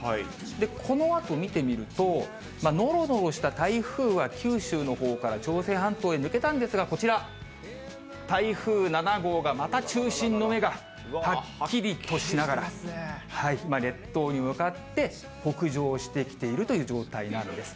このあと見てみると、のろのろした台風は九州のほうから朝鮮半島へ抜けたんですが、こちら、台風７号がまた中心の目がはっきりとしながら、今、列島に向かって北上してきているという状態なんです。